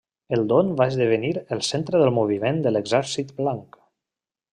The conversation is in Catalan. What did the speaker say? El Don va esdevenir el centre del moviment de l'Exèrcit Blanc.